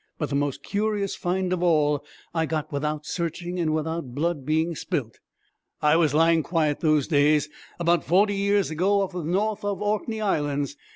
But the most curious find of all, I got without searching and without blood being spilt. I was lying quiet those days, about forty years ago, off the north of the Orkney Islands.